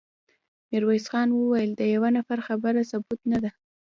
ميرويس خان وويل: د يوه نفر خبره ثبوت نه ده.